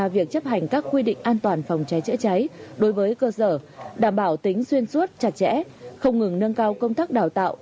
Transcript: việc chấp hành các quy định an toàn phòng cháy chữa cháy đối với cơ sở đảm bảo tính xuyên suốt chặt chẽ không ngừng nâng cao công tác đào tạo